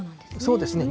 そうですね。